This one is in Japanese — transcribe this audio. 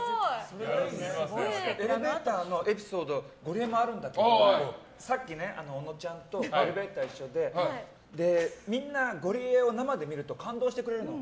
エレベーターのエピソードゴリエもあるんだけどさっきね、小野ちゃんとエレベーター、一緒でみんなゴリエを生で見ると感動してくれるの。